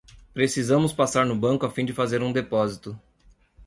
Precisamos passar no banco a fim de fazer um depósito